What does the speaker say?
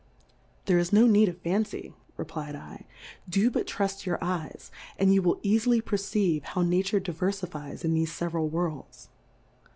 There is no need of Fancy, reflfd /, do but truft your Eyes, and you will eafily perceive hov^ Nature diverfmes in thefe feveral Worlds.